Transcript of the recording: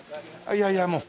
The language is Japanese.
いやいやもう。